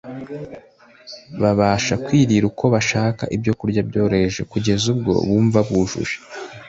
babasha kwirira uko bashaka ibyokurya byoroheje kugeza ubwo bumva bujuje